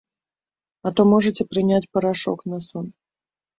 А то можаце прыняць парашок на сон.